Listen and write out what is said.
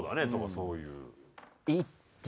そういう。